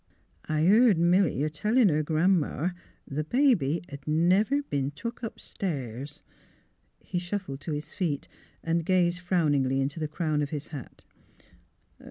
" 1 heerd Milly a tellin' her Gran 'ma th' baby 'd never b'en took upstairs." He shuffled to his feet, and gazed frowningly into the crown of his hat.